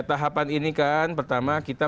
tahapan ini kan pertama kita